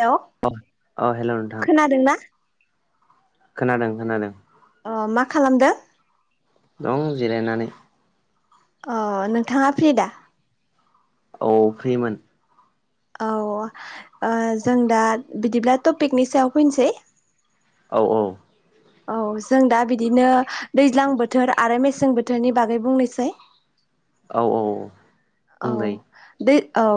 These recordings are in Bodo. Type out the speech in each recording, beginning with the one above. हेलौ। अ हेलौ नोंथां। खोनादों। खोनादों खोना अ मा खालामदों। दं जिरायनानै अ नोंथाङा फ्रि दा औ फ्रिमोन। औ जों दा बिदिब्ला टपिकनि सायाव फैनोसै। औ औ। औ जों दा बिदिनो दैज्लां बोथोर आरो मेसें बोथोरनि बागै बुंनोसै। औ औ औ। बुंजायो दै औ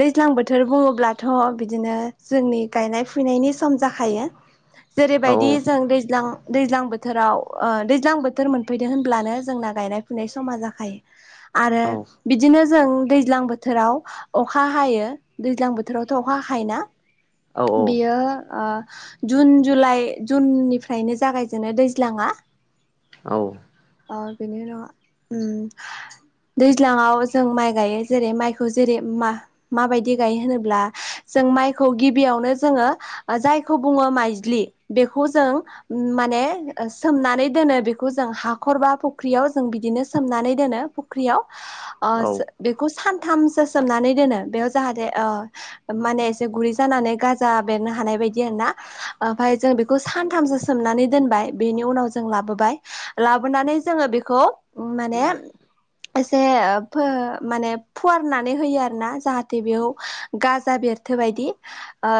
दैज्लां बोथोर बुङोब्लाथ' बिदिनो जोंनि गायनाय फुनायनि सम जाखायोना औ जेरैबायदि जों दैज्लां दैज्लां बोथो थोराव दैज्लां बोथोर मोनफैदो होनब्लानो जोंना गायनाय फुनाय समा जाखायो। आरो औ बिदि नो जों दैज्लां बोथोराव अखा हायो दैज्लां बोथोरावथ' अखा हाखायोना। औ बियो ओ जुन जुलाइ जुननिफ्रायनो जागायजेनो दैज्लाङा औ। अ बेनि उनाव दैज्लाङाबो जों माइ गायो जेरै माइखौ जेरै मा माबायदि गायो होनोब्ला जों माइखौ गिबियावनो जोङो जायखौ बुङो माइज्लि खिन्थु बेखौ जों माने सोमनानै दोनो बेखौ जों हाखर बा फुख्रियाव जों बिदिनो सोमनानै दोनो फुख्रियाव ओ बेखौ सानथामसो सोमनानै दोनो बेयाव जाहाथे ओ माने एसे गुरै जानानै गाजा बेरनो हानाय बायदि आरो ना ओमफ्राय जों बेखौ सानथामसो सोमनानै दोनबाय बेनि उनाव जों लाबोबाय लाबोनानै जोङो बेखौ माने एसे फो माने फुवारनानै होयो आरोना जाहाथे बेयाव गाजा बेरथो बायदि ओ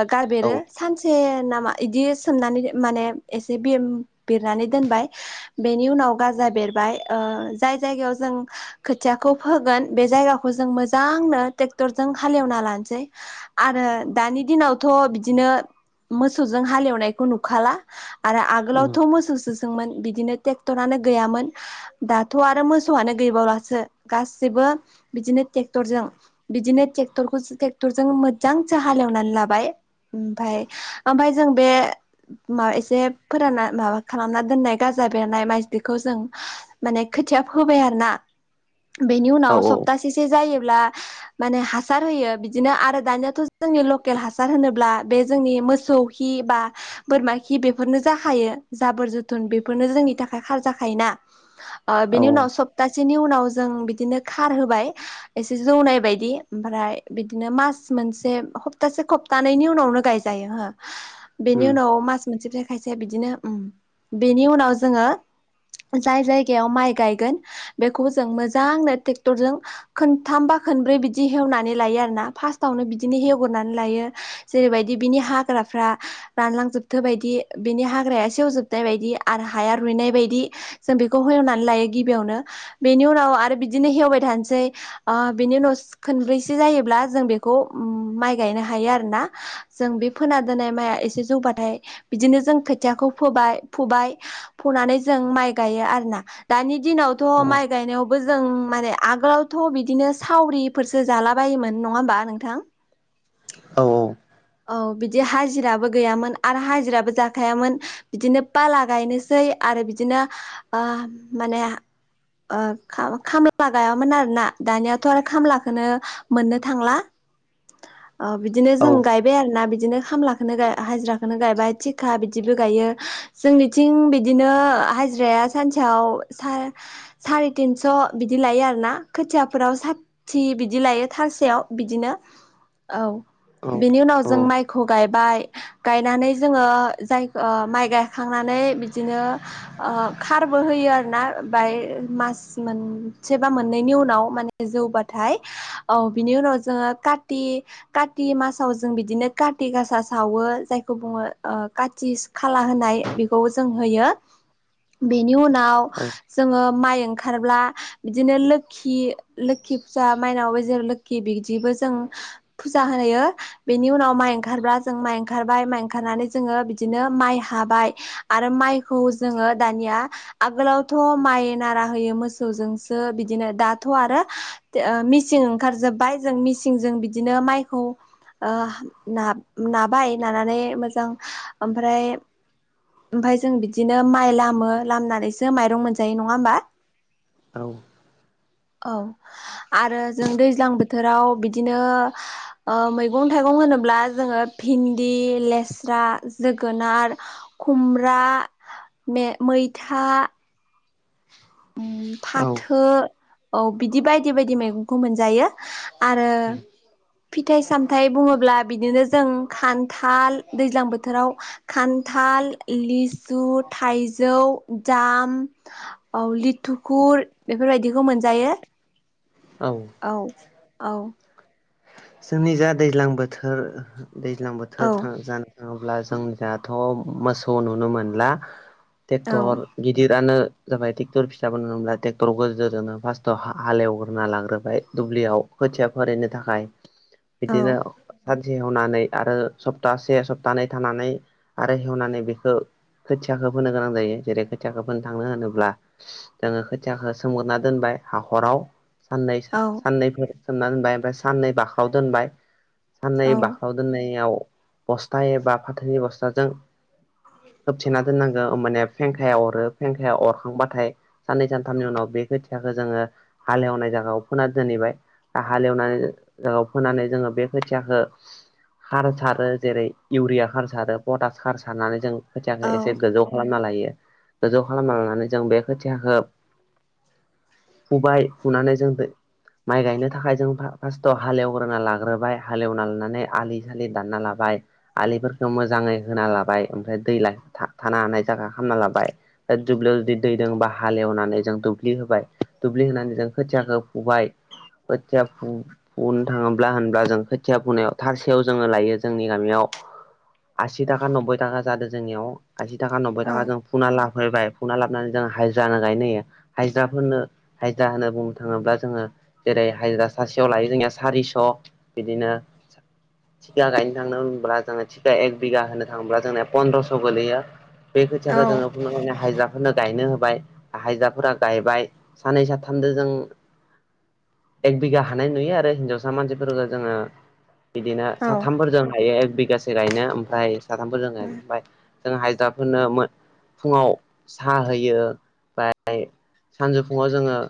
औ गारबेरो सानस से नामा बिदि सोमनानै माने एसे बिरनानै दोनबाय बेनि उनाव गाजा बेरबाय जाय जायगायाव जों खोथियाखौ फोगोन बे जायगाखौ जों मोजांनो ट्रेक्टरजों हाले एवना लानोसै आरो दानि दिनावथ' बिदिनो मोसौजों हाले एवनायखौ नुखाला आरो उम आगोलावथ' मोसौसो दोंमोन बिदिनो टेक्टरानो गैयामोन दाथ' आरो मोसौआनो गैबावलासो गासिबो बिदिनो टेक्टरजों बिदिनो टेक्टरखौ टेक्टरजों मोजांजो हालेवनानै लाबाय ओमफाय ओमफाय जों बे मा एसे फोरानना माबा खालामना दोननाय गाजा बेरनाय माइज्लिखौ जों माने खोथिया फोबाय आरोना बेनि औ उनाव सप्तासेसो जायोब्ला माने हासार होयो बिदिनो आरो दानियाथ' जोंनि लकेल हासार होनोब्ला बे जोंनि मोसौ खि बा बोरमा खि बेफोरनो जाखायो जाबोर जोथोन बेफोरनो जोंनि थाखाय खार जाखायोना ओ बिनि उनाव उम सप्तासेनि उनाव जों बिदिनो खार होबाय एसे जौनाय बायदि ओमफ्राय बिदिनो मास मोनसे हप्तासे हप दानानि उनावनो गायजायो बेनि उनाव मास मोनसेफ्रा खायसेया बिदिनो बेनि उम उनाव जोङो जाय जायगायाव माइ गायगोन बेखौ जों मोजांनो टेक्टरजों खोनथाम बा खोनब्रै बिदि हेवनानै लायो आरोना फार्टावनो बिदिनो हेवग्रोनानै लायो जेरैबायदि बिनि हाग्राफ्रा रानलांजोबथो बायदि बेनि हाग्राया सेवजोबनाय बायदि आरो हाया रुइनाय बायदि जों बेखौ हेवनानै लायो गिबियावनो बेनि उनाव आरो बिदिनो हेवबाय थानोसै ओ बिनि उनाव खनब्रैसो जायोब्ला जों बेखौ माइ गायनो हायो आरोना जों बे फोना दोननाय माइआ एसे जौबाथाय बिदिनो जों खोथियाखौ फोबाय फुबाय फुनानै जों माइ गायो आरोना दानि दिनावथ' उम औ माइ गायनायाव थबो जों माने आगोलावथ' बिदिनो सावरिफोरसो जालाबायोमोन नङा होमबा नोंथां औ औ बिदि हाजिराबो गैयामोन आरो हाजिराबो जाखायामोन बिदिनो बाला गायनोसै आरो बिदिनो ओ माने ओ खा-खामला गायामोन आरो ना दानियाथ' आरो खामलाखौनो मोननो थांला ओ बिदिनो औ जों गाय आरोना बिदिनो खामलाखौनो गा हाजिराखौनो गायबाय थिखा बिदिबो गायो जोंनिथिं बिदिनो हाजिराया सानसेयाव सा साराय थिनस' बिदि लायो आरो ना खोथियाफोराव सा थि बिदि लायो थारसेयाव बिदिनो औ बिनि उनाव जों माइखौ गायबाय गायनानै जोङो जाय ओ माइ गायखांनानै बिदिनो ओ खारबो होयो आरोना बाय मास मोनसे बा मोननैनि उनाव माने जौबाथाय औ बिनि उनाव जोङो कार्ति कार्ति मास औ जों बिदिनो कार्ति गासा सावो जायखौ बुङो ओ काथि खाला होनाय बेखौ जों होयो बेनि उनाव औ जोङो माइ ओंखारब्ला बिदिनो लोखि लोखि फुजा मायनावबो जेरै लोखि बिदिबो जों फुजा होनायो बेनि उनाव माइ ओंखारब्ला जों माइ ओंखारबाय माइ ओंखारनानै जोङो बिदिनो माइ हाबाय आरो माइखौ जोङो दानिया आगोलावथ' माइ नारा होयो मोसौजोंसो बिदिनो दाथ' आरो थो ओ मिसिं ओंखार जोब्बाय जों मिसिंजों बिदिनो माइखौ ओ नाब-नाबाय नानानै मोजां ओमफ्राय ओमफाय जों बिदिनो माइ लामो लामनानैसो माइरं मोनजायो नङा होमबा औ औ आरो जों दैज्लां बोथोराव बिदिनो ओ मैगं थाइगं होनोब्ला जोङो भिन्दि लेस्रा जोगोनार खुमब्रा, मैथा औ फाथो औ बिदि बायदि बायदि मैगंखौ मोनजायो आरो फिथाइ सामथायाइ बुङोब्ला बिदिनो जों खान्थाल दैज्लां बोथोराव खान्थाल लिसु थाइजौ दाम औ लिथुखुर बेफोरबायदिखौ मोनजायो औ औ औ जोंनिजा दैज्लां बोथोर दैज्लां औ बोथोर जानाय अब्ला जों दाथ मोसौ नुनो मोनला औ ट्रेक्टर गिदिरानो जाबाय ट्रेक्टर फिसाबो होनोब्ला ट्रेक्टराव गेजेरजोंनो फार्स्टआव हालेवग्रोना लाग्रोबाय दुब्लियाव खोथिया फोरायनो थाखाय औ बिदिनो सानसे हवनानै आरो सप्तासे सप्तानै थानानै आरो हेवनानै बेखौ खोथियाखौ फोनो गोनां जायो जेरै खोथियाखौ फोनो थांनो होनोब्ला जोङो खोथियाखौ सोमगोरना दोनबाय हाखराव साननै औ साननैफोर सोमना दोनबाय ओमफ्राय साननै बाखाव दोनबाय साननै औ बाख्राव दोननायाव बस्था एबा फाथोनि बस्थाजों खोबथेना दोननांगौ होमबाना फेंखाया अरो फेंखाया अरखांबाथाय साननै सानथामनि उनाव बे खोथियाखौ जोङो हालेवनाय जायगायाव फोना दोनहैबाय हालेवनानै जाव फोनानै जोङो बे खोथियाखौ खार सारो जेरै इउरिया खार सारो पटास खार सारनानै जों औ खोथियाखौ एसे गोजौ खालामना लायो गोजौ खालामना लानानै जों बे खोथियाखौ फुबाय फुनानै जों माइ गायनो थाखाय जों फार्स हालेवग्रोना लाग्रोबाय हालेवना लानानै आलि सालि दानना लाबाय आलिफोरखौ मोजाङै होना लाबाय ओमफ्राय दै थानो हानाय जायगा खालामना लाबाय दा दुब्लियाव जुदि दै दबा हालेवनानै जों दुब्लि होबाय दुब्लि होनानै जों खोथियाखौ फुबाय खोथिया फु बुंनो थाङोब्ला होनब्ला जों खोथिया फुनायाव थारसेयाव जोङो लायो जोंनि गामियाव आसि थाखा नबबै थाखा जादों जोंनियाव आसि थाखा नबबै थाखा जों फुना लाफैबाय फुना लाबोनानै जोंङ हाजिरानो गायनो होयो हाजिराफोरनो हाजिरा होनो बुंनो थाङोब्ला जोङो जेरै हाजिरा सासेयाव लायो जोंनिया सारिस बिदिनो थिखा गायनो थाङनो होनब्ला जोङो थिखा एक बिगा होनो थाङोब्ला जोंनाया फन्द्रस गोगलैयो बे खोथियाखौ जोङो बुंखांनानै हाजिरा फोरनो गायनो होबाय हायजाफोरा गायबाय सानै साथामजों जों एक बिघा हानाय नुयो आरो हिनजावसा मानसिफोरफोरखौ जोङो बिदिनो साथामफोरजों हायो एक बिगा सो गायनो ओमफ्राय साथामफोरजों गाय ओमफ्राय जों हाजिराफोरनो फुङाव साहा होयो ओमफ्राय सानजौफुङाव जोङो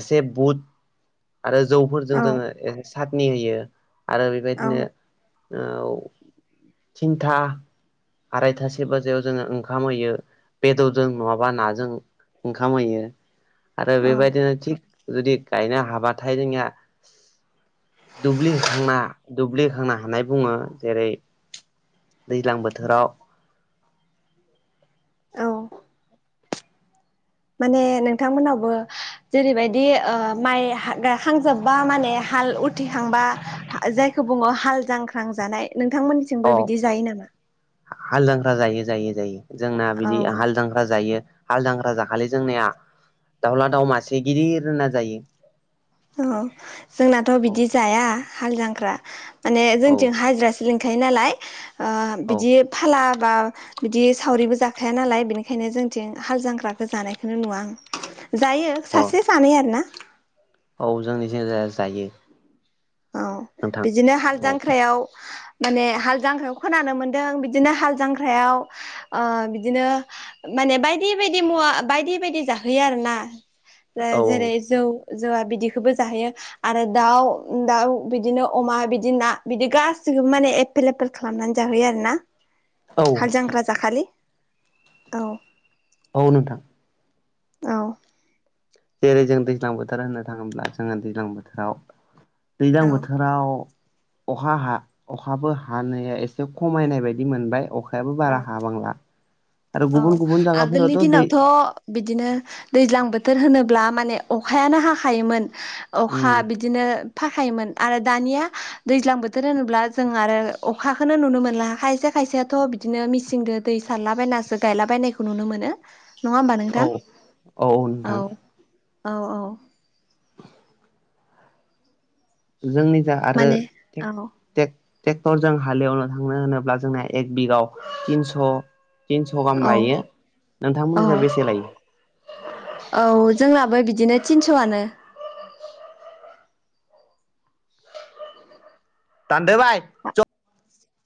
एसे बुद आरो जौफोरजों औ जोङो ए सटनि होयो आरो औ बेबायदिनो थिनथा आरायथासे बाजखयाव जोङो ओंखाम होयो बेदरजों नङाबा नाजों ओंखाम होयो आरो औ बेबायदिनो थिग जुदि गायनो हाबाथाय जोंनिया दुब्लि होखांना दुब्लि होखांना होनानाय बुङो जेरै दैज्लां बोथोराव औ माने नोंथांमोनहाबो जेरैबायदि ओ माइ हा गा हांखांजोबबा माने हाल उथिखांबा जायखौ बुङो हाल जांख्रा ख्रा जानाय नोंथांमोननिथिंबो बिदि जायो नामा हालदांख्रा जायो जायो जायो जोंना बिदि औ हालदांख्रा जायो हालदांख्रा जाखालि जोंनिया दाउला दाउ मासे गिदिरनो जायो जोंनाथ औ बिदि जाया हाल जांख्रा माने औ जोंथिं हाजिरासो लोंखायो नालाय ओ औ बिदि फाला बा बिदि सावरिबो जाखाया नालाय बेनिखायनो जोंथिं हाल जांख्राखौ जानायखौनो नुवा आं जायो औ सासे सानै आरोना औ जोंनिथिंजाय जायो औ नोंथां बिदिनो हाल औ जांख्रायाव माने हाल जांख्रायाव खोनानो मोनदों बिदिनो हाल जांख्रायाव ओ बिदिनो माने बायदि बायदि मुवा बायदि बायदि जाहोयो आरोना औ जेरै जौ जौवा बिदिखौबो जाहैयो आरो दाउ दाउ बिदिनो अमा बिदि ना बिदि गासैखौबो माने एभेलेबोल खालामनानै जाहोयो आरोना औ हालजांख्रा जाखलि औ औ नोंथां औ जेरै जों दैज्लां बोथोर होनो थाङोब्ला जोङो दैज्लां बोथोराव दैज्लां औ बोथोराव अखा हा अखाबो हानाया एसे खमायनाय बायदि मोनबाय अखायाबो औ बारा हाबांला आरो औ गुबुन गुबुन आगोलनि जायगाफोरावथ दै दिनावथ' बिदिनो दैज्लां बोथोर होनोब्ला माने अखायानो हाखायोमोन उम अखा बिदिनो फायखायोमोन आरो दानिया दैज्लां बोथोर होनोब्ला जों आरो अ खाखौनो नुनो मोनला खायसे खायसेयाथ बिदिनो मिसिंदो दै सारलाबायनासो गायलाबायनायखौ नुनो मोनो नङा होमबा औ नोंथां औ औ औ जोंनिजा आरो माने औ टेक ट्रेक्टरजों हालेवनो थांनो होनोब्ला जोंना एक बिगाव तिनस तिनस गाहाम औ लायो औ नोंथांमोननिजा बेसे लायो औ जोंनाबो बिदिनो थिनसआनो दानदो बाय